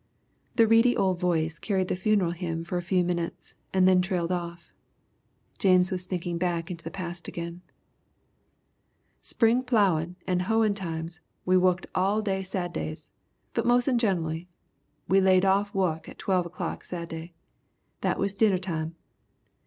'" The reedy old voice carried the funeral hymn for a few minutes and then trailed off. James was thinking back into the past again. "Spring plowin' and hoein' times we wukked all day Saddays, but mos'en generally we laid off wuk at twelve o'clock Sadday. That was dinnertime.